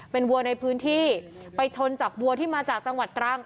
เป็นวัวในพื้นที่ไปชนจากวัวที่มาจากจังหวัดตรัง